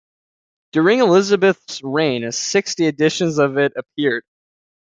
During Elizabeth's reign sixty editions of it appeared.